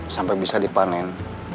sampai bisa dipanen